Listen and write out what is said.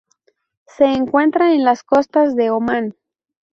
Se encuentra en las costas de Omán.